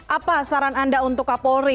apa saran anda untuk kapolri